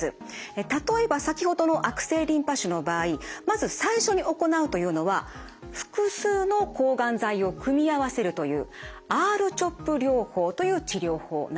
例えば先ほどの悪性リンパ腫の場合まず最初に行うというのは複数の抗がん剤を組み合わせるというＲ−ＣＨＯＰ療法という治療法なんです。